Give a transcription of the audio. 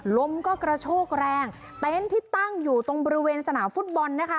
ลมก็กระโชกแรงเต็นต์ที่ตั้งอยู่ตรงบริเวณสนามฟุตบอลนะคะ